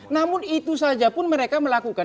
namun itu saja pun mereka melakukan